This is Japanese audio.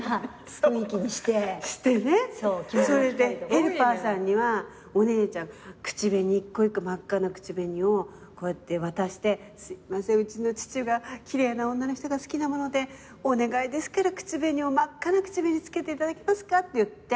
ヘルパーさんにはお姉ちゃん真っ赤な口紅を渡して「すいませんうちの父が奇麗な女の人が好きなものでお願いですから口紅を真っ赤な口紅つけていただけますか？」って言って。